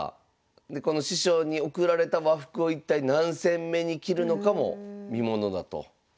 でこの師匠に贈られた和服を一体何戦目に着るのかも見ものだと。